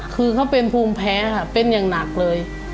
คือเขาเป็นภูมิแพ้ค่ะเป็นอย่างหนักเลย